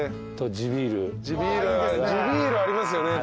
地ビールありますよねたぶんね。